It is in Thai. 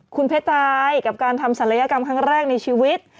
คุณเพตายกับการทำศัลยกรรมครั้งแรกในชีวิต